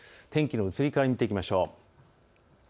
天気の移り変わりを見ていきましょう。